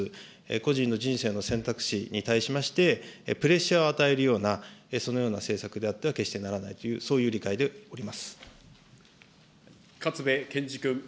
個人の人生の選択肢に対しまして、プレッシャーを与えるような、そのような政策であっては決してならないという、そういう理解でおります。